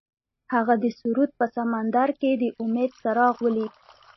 هغه د سرود په سمندر کې د امید څراغ ولید.